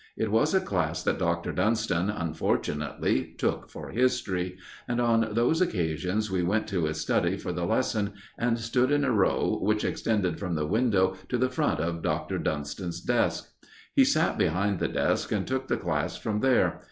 It was a class that Dr. Dunston, unfortunately, took for history, and on those occasions we went to his study for the lesson and stood in a row, which extended from the window to the front of Doctor Dunston's desk. He sat behind the desk, and took the class from there.